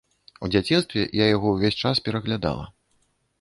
У дзяцінстве я яго ўвесь час пераглядала.